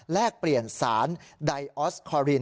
แลกเปลี่ยนสารดายอสคอลีน